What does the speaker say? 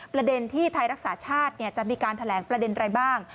ประเด็นที่ไทยรักษาชาติจะมีการแถลงประเด็นอะไรบ้าง